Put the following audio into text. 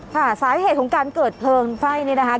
ค่ะสาเหตุของการเกิดเพลิงไฟนี่นะฮะ